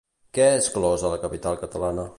Què és clos a la capital catalana?